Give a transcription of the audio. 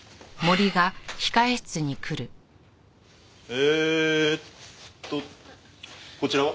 えーっとこちらは？